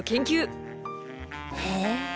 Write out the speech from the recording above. へえ。